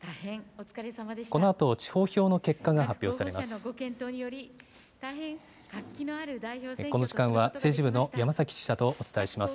このあと、地方票の結果が発表されます。